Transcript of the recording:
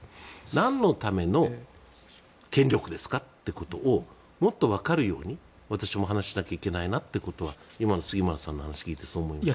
なんのための権力ですかってことをもっとわかるように私も話さなきゃいけないなと今の杉村さんの話を聞いてそう思いました。